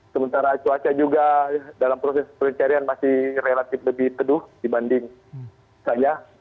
sementara cuaca juga dalam proses pencarian masih relatif lebih teduh dibanding saja